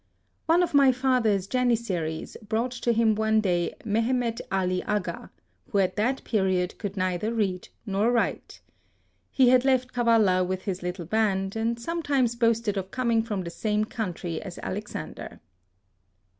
One of my father's janissaries brought to him one day Mehemet 8 HISTORY OF Ali Aga, who at that period could neither read nor write. He had left Kavalla with his little band, and sometimes boasted of coming from the same country as Alexan der.